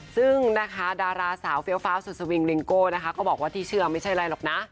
ซึ่งนะคะดาราสาวเฟี้ยวฟ้าสุดสวิงลิงโก้นะคะก็บอกว่าที่เชื่อไม่ใช่อะไรหรอกนะ